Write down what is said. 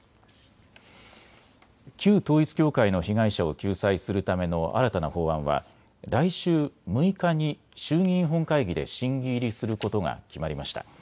旧統一教会の被害者を救済するための新たな法案は来週６日に衆議院本会議で審議入りすることが決まりました。